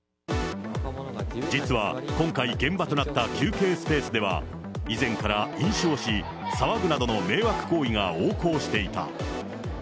実は今回、現場となった休憩スペースでは、以前から飲酒をし、騒ぐなどの迷惑行為が横行していた。